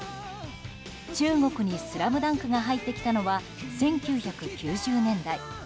中国に「ＳＬＡＭＤＵＮＫ」が入ってきたのは１９９０年代。